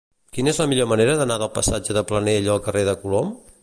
Quina és la millor manera d'anar del passatge de Planell al carrer de Colom?